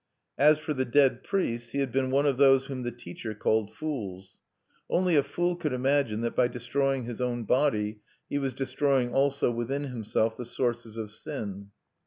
As for the dead priest, he had been one of those whom the Teacher called fools. Only a fool could imagine that by destroying his own body he was destroying also within himself the sources of sin.